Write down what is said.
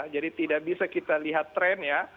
jadi tidak bisa kita lihat tren ya